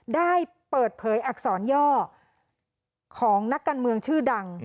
ได้เปิดเผยอักษรย่อของนักการเมืองชื่อดัง